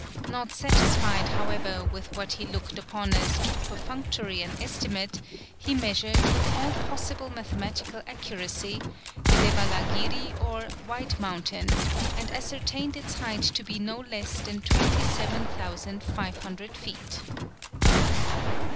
Not satisfied, however, with what he looked upon as too perfunctory an estimate, he measured, with all possible mathematical accuracy, the Dewalagiri or White Mountain, and ascertained its height to be no less than 27,500 feet.